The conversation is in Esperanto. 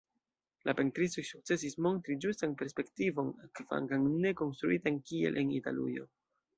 La pentristoj sukcesis montri ĝustan perspektivon, kvankam ne konstruitan kiel en Italujo.